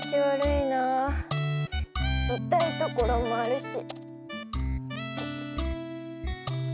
いたいところもあるし。